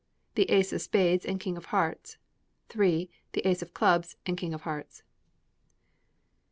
The ace of spades and king of hearts. iii. The ace of clubs and king of hearts.